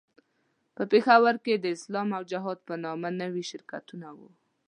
په پېښور کې د اسلام او جهاد په نامه نوي شرکتونه وو.